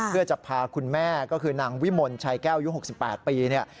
เพื่อจะพาคุณแม่ก็คือนางวิมนต์ชัยแก้วยุ่น๖๘ปี